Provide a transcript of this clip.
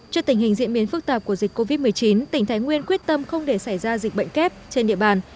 trước tình hình diễn biến phức tạp của dịch covid một mươi chín tỉnh thái nguyên quyết tâm không để xảy ra dịch bệnh kép trên địa bàn